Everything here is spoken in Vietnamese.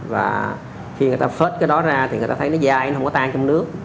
và khi người ta phết cái đó ra thì người ta thấy nó dai nó không có tan trong nước